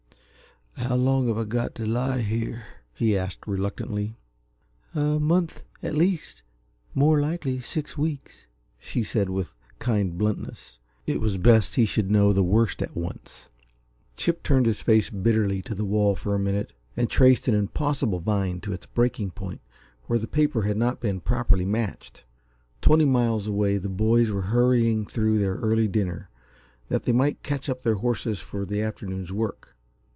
"How long have I got to lie here?" he asked, reluctantly. "A month, at the least more likely six weeks," she said with kind bluntness. It was best he should know the worst at once. Chip turned his face bitterly to the wall for a minute and traced an impossible vine to its breaking point where the paper had not been properly matched. Twenty miles away the boys were hurrying through their early dinner that they might catch up their horses for the afternoon's work.